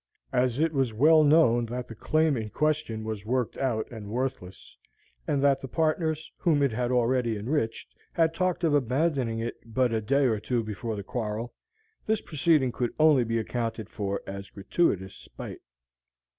As it was well known that the claim in question was "worked out" and worthless, and that the partners, whom it had already enriched, had talked of abandoning it but a day or two before the quarrel, this proceeding could only be accounted for as gratuitous spite.